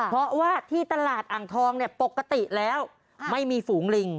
เพราะว่าที่ตลาดอ่างทองเนี่ยปกติแล้วไม่มีฝูงลิง